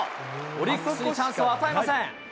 オリックスにチャンスを与えません。